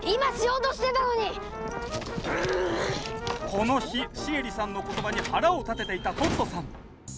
この日シエリさんの言葉に腹を立てていたトットさん。